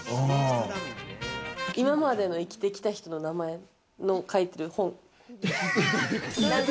今まで生きてきた人の名前の書いてる本。